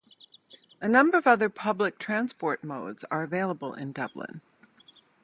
A number of other public transport modes are available in Dublin.